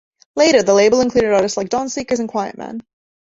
Later, the label included artists like Dawnseekers and Quietman.